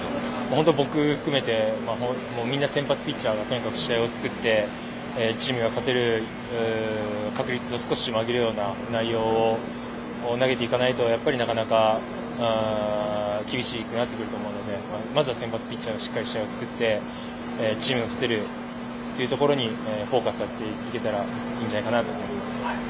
本当に僕含めてみんな先発ピッチャーが試合を作ってチームが勝てる確率を少しでも上げられるような内容を投げていかないとやっぱりなかなか厳しくなってくると思うのでまずは先発ピッチャーがしっかり試合を作ってチームが勝てるというところにフォーカスさせていけたらいいんじゃないかなと思います。